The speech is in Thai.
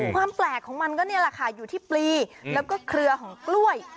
ความแปลกของมันก็นี่แหละค่ะอยู่ที่ปลีแล้วก็เครือของกล้วย